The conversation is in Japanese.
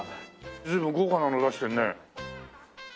随分豪華なの出してんね。